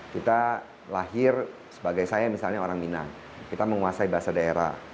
kita lahir sebagai saya misalnya orang minang kita menguasai bahasa daerah